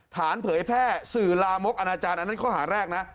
เผยแพร่สื่อลามกอนาจารย์อันนั้นข้อหาแรกนะ